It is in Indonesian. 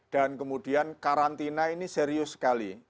dan kemudian karantina ini serius sekali